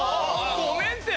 ごめんって。